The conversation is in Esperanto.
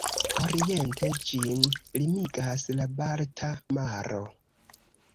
Oriente ĝin limigas la Balta Maro.